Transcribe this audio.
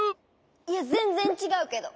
いやぜんぜんちがうけど！